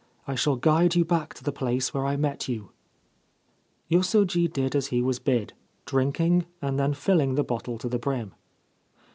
I shall guide you back to the place where I met you/ Yosoji did as he was bid, drinking, and then filling the bottle to the brim.